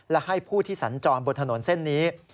และให้ผู้ที่สัญจรบนถนนเส้นนี้